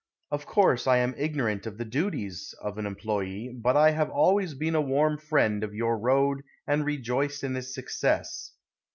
Of course I am ignorant of the duties of an employe, but I have always been a warm friend of your road and rejoiced in its success.